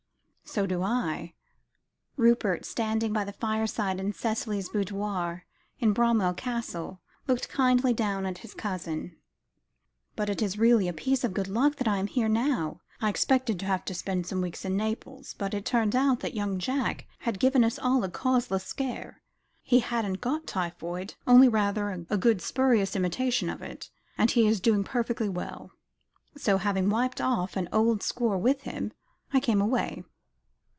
"So do I." Rupert, standing by the fireplace in Cicely's boudoir in Bramwell Castle, looked kindly down at his cousin; "but it is really a piece of good luck that I am here now. I expected to have to spend some weeks in Naples, but it turned out that young Jack had given us all a causeless scare. He hadn't got typhoid, only rather a good spurious imitation of it, and he is doing perfectly well. So, having wiped off an old score with him, I came away."